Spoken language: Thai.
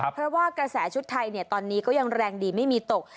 เพราะว่ากระแสชุดไทยตอนนี้ก็ยังแรงดีไม่มีตก